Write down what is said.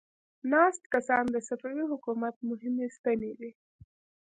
ناست کسان د صفوي حکومت مهمې ستنې دي.